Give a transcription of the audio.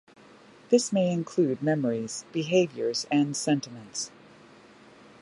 This may include memories, behaviors and sentiments.